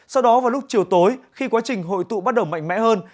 sau đó vào lúc chiều tối khi quá trình hội tụ bắt đầu mạnh mẽ hơn